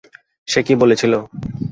সে কী বলেছিলো?